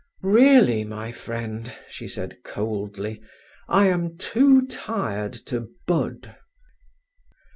"Really, my friend," she said coldly, "I am too tired to bud."